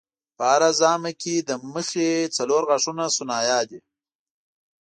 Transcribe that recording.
په هره ژامه کې د مخې څلور غاښه ثنایا دي.